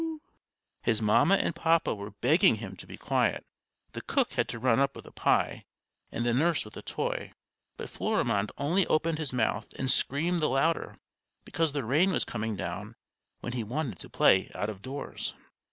His mamma and papa were begging him to be quiet. The cook had run up with a pie, and the nurse with a toy, but Florimond only opened his mouth and screamed the louder, because the rain was coming down, when he wanted to play out of doors!